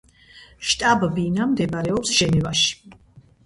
შტაბ-ბინა მდებარეობს ჟენევაში.